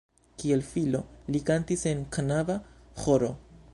Kiel filo li kantis en knaba ĥoro.